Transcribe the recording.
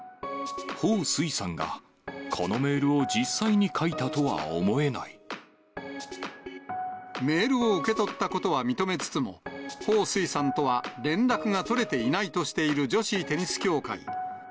彭帥さんがこのメールを実際メールを受け取ったことは認めつつも、彭帥さんとは連絡が取れていないとしている女子テニス協会。